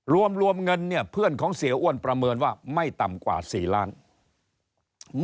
รวมเงินเนี่ยเพื่อนของเสียอ้วนประเมินว่าไม่ต่ำกว่า๔ล้านบาท